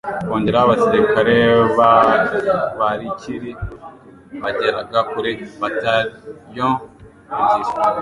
Kongeraho abasirikare b'abarikiri bageraga kuri Bataillons ebyiri